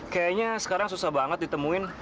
kayaknya sekarang susah banget ditemuin